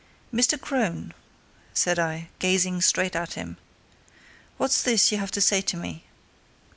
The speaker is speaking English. "Mr. Crone," said I, gazing straight at him, "what's this you have to say to me?"